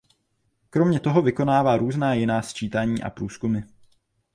Kromě toho vykonává různá jiná sčítání a průzkumy.